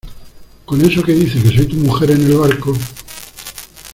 con eso que dice de que soy tu mujer en el barco.